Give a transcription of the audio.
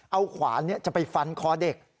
เอาขวานจะไปฟันคอเด็ก